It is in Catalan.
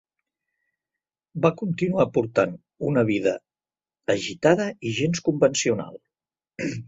Va continuar portant una vida agitada i gens convencional.